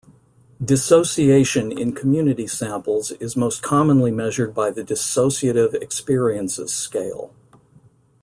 Dissociation in community samples is most commonly measured by the Dissociative Experiences Scale.